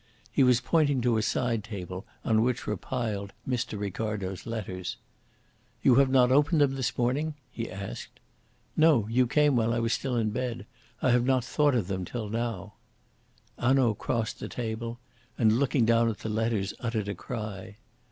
He was pointing to a side table on which were piled Mr. Ricardo's letters. "You have not opened them this morning?" he asked. "No. You came while I was still in bed. I have not thought of them till now." Hanaud crossed to the table, and, looking down at the letters, uttered a cry.